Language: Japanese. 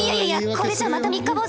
これじゃまた三日坊主！